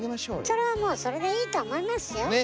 それはもうそれでいいと思いますよ。ね！